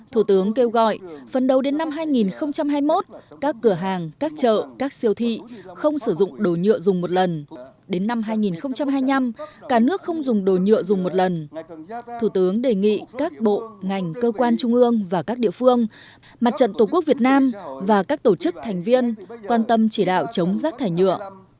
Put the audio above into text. thủ tướng kêu gọi phần đầu đến năm hai nghìn hai mươi một các cửa hàng các chợ các siêu thị không sử dụng đồ nhựa dùng một lần đến năm hai nghìn hai mươi năm cả nước không dùng đồ nhựa dùng một lần thủ tướng đề nghị các bộ ngành cơ quan trung ương và các địa phương mặt trận tổ quốc việt nam và các tổ chức thành viên quan tâm chỉ đạo chống rác thải nhựa